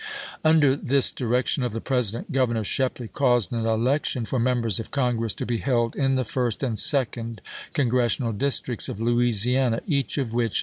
Under this direction of the President, Governor Shepley caused an election for Members of Con gress to be held in the first and second Congressional districts of Louisiana, each of v^hich.